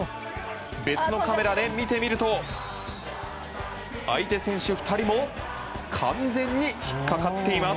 別のカメラで見てみると相手選手２人も完全に引っかかっています。